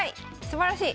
すばらしい！